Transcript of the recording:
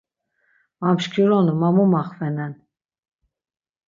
Mamşkironu ma mu maxvenen.